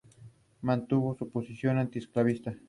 Hasta entonces, permanece aquí.